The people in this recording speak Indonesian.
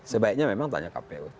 sebaiknya memang tanya kpu